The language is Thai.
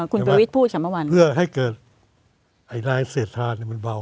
คุณประวิทธิ์พูดฉันเมื่อวันเพื่อให้เกิดไอ้นายเสร็จทานมันเบา